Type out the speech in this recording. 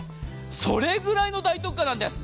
それぐらいの大特価なんです。